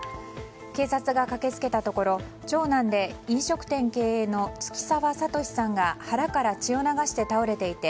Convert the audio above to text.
警察が駆け付けたところ長男で飲食店経営の月澤聡さんが腹から血を流して倒れていて